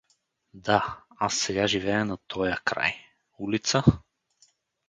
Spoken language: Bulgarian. — Да, аз сега живея на тоя край… — Улица?